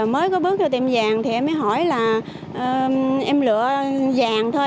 mới có bước cho tiệm vàng thì em mới hỏi là em lựa vàng thôi